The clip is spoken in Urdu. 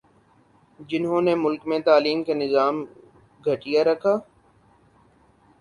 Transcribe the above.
جہنوں نے ملک میں تعلیم کا نظام گٹھیا رکھا